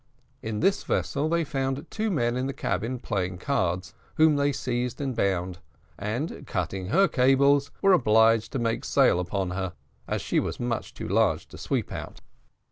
In this vessel they found two men in the cabin playing cards, whom they seized and bound, and cutting her cables were obliged to make sail upon her, as she was much too large to sweep out.